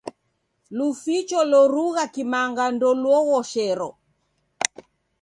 Luficho lorugha kimanga ndeluoghoshero.